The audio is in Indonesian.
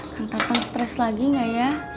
kan tonton stres lagi gak ya